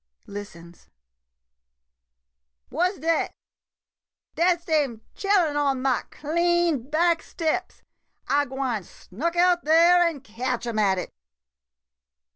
[Listens.] What 's dat ? Dat 's dem chillen on ma clean back steps. I gwine snuk out dere an' catch 'em at it.